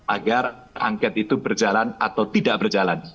agar angket itu berjalan atau tidak berjalan